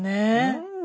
うん。